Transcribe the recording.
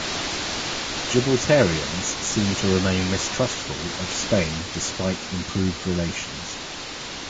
Gibraltarians seem to remain mistrustful of Spain despite improved relations.